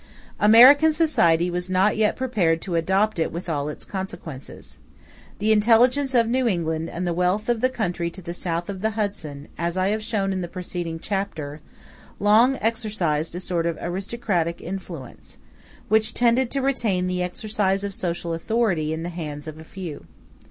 American society was not yet prepared to adopt it with all its consequences. The intelligence of New England, and the wealth of the country to the south of the Hudson (as I have shown in the preceding chapter), long exercised a sort of aristocratic influence, which tended to retain the exercise of social authority in the hands of a few.